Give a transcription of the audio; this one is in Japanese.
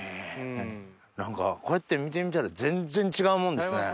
何かこうやって見てみたら全然違うもんですね。